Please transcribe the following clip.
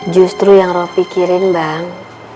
justru yang roh pikirin bang